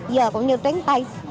giờ cũng như tránh tay